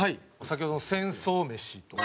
先ほどの『戦争めし』。